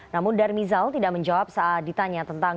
namun darmizal tidak menjawab saat ditanya tentang